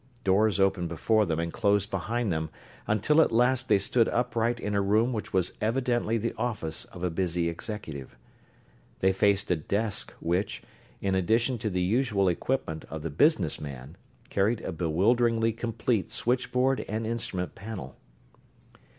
Doors opened before them and closed behind them, until at last they stood upright in a room which was evidently the office of a busy executive. They faced a desk which, in addition to the usual equipment of the business man, carried a bewilderingly complete switchboard and instrument panel.